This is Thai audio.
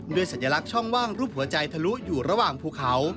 สัญลักษณ์ช่องว่างรูปหัวใจทะลุอยู่ระหว่างภูเขา